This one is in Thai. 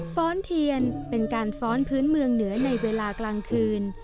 ้อนเทียนเป็นการฟ้อนพื้นเมืองเหนือในเวลากลางคืน